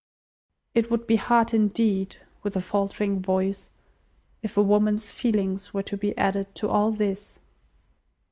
It would be hard, indeed" (with a faltering voice), "if woman's feelings were to be added to all this."